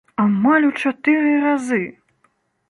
Амаль у чатыры разы!